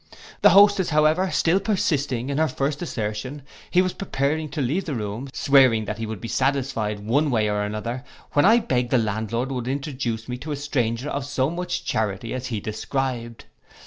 The hostess, however, still persisting in her first assertion, he was preparing to leave the room, swearing that he would be satisfied one way or another, when I begged the landlord would introduce me to a stranger of so much charity as he described.